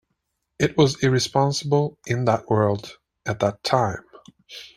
It was irresponsible in that world, at that time.